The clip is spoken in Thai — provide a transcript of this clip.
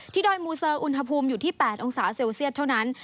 ดอยมูเซอร์อุณหภูมิอยู่ที่๘องศาเซลเซียสเท่านั้น